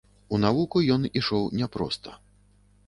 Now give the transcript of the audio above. У навуку ён ішоў няпроста.